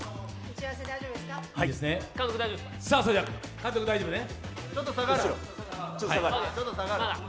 監督、大丈夫ね。